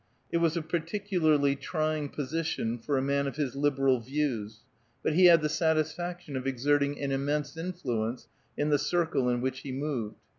It was a particularly trying position for a man of his liberal views ; but he had the satisfaction of exerting an immense influence in the circle in which he moved.